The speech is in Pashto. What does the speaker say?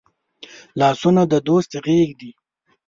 لاسونه د دوست غېږ دي